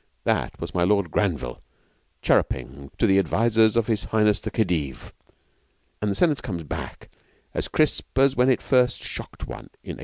_' That was my Lord Granville chirruping to the advisers of His Highness the Khedive, and the sentence comes back as crisp as when it first shocked one in '84.